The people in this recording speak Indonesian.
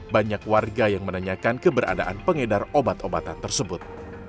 banyak warga yang menanyakan keberadaan pengedar obat obatan tersebut